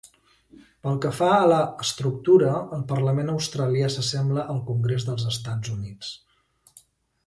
Pel que fa a l'"estructura", el parlament australià s'assembla al congrés dels Estats Units.